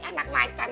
ih anak macan